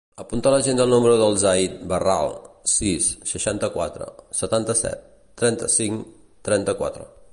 Apunta a l'agenda el número del Ziad Barral: sis, seixanta-quatre, setanta-set, trenta-cinc, trenta-quatre.